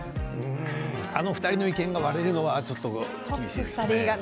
あの２人の意見が割れるのはちょっと厳しいですね。